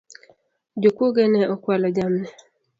Jokuoge ne okualo jamni